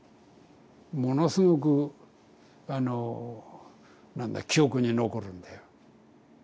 ものすごくあのなんだ記憶に残るんだよ。